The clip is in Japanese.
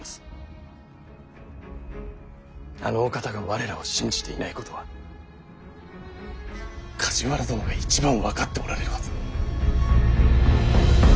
あのお方が我らを信じていないことは梶原殿が一番分かっておられるはず。